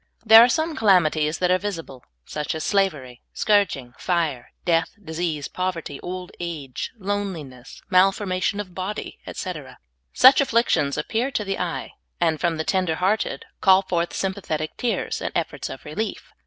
'' There are some calami ties that are visible, such as slavery, scourging, fire, death, disease, povert}^, old age, loneliness, malforma tion of bod}', etc. Such afflictions appear to the eye, and from the tender hearted call forth sj'mpathetic tears and efforts of relief.